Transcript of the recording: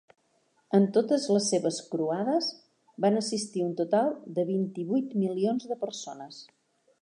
En totes les seves croades, van assistir un total de vint-i-vuit milions de persones.